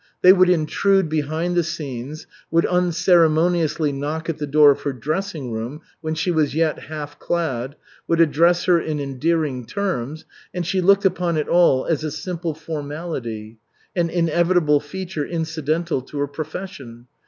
They would intrude behind the scenes, would unceremoniously knock at the door of her dressing room when she was yet half clad, would address her in endearing terms and she looked upon it all as a simple formality, an inevitable feature incidental to her profession.